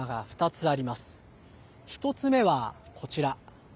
１つ目はこちら。